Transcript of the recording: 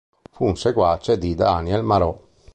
Fu un seguace di Daniel Marot.